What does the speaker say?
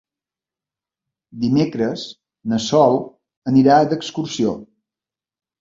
Dimecres na Sol anirà d'excursió.